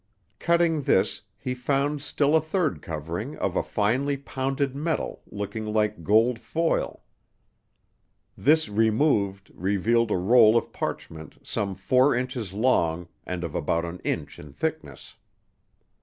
Cutting this, he found still a third covering of a finely pounded metal looking like gold foil. This removed revealed a roll of parchment some four inches long and of about an inch in thickness.